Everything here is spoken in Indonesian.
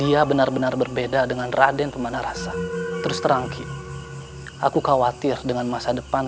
iya benar benar berbeda dengan raden pemanah rasa terus terangki aku khawatir dengan masa depan